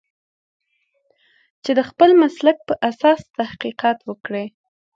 چې د خپل مسلک په اساس تحقیقات وکړي.